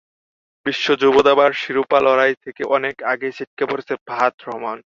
বিশ্ব যুব দাবার শিরোপা লড়াই থেকে অনেক আগেই ছিটকে পড়েছে ফাহাদ রহমান।